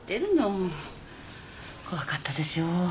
怖かったでしょ？